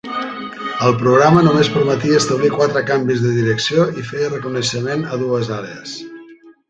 El programa només permetia establir quatre canvis de direcció i feia reconeixement a dues àrees.